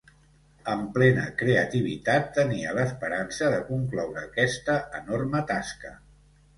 En plena creativitat, tenia l'esperança de concloure aquesta enorme tasca.